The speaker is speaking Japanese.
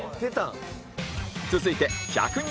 続いて１００人